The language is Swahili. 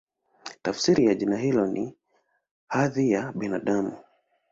Tafsiri ya jina hilo ni "Hadhi ya Binadamu".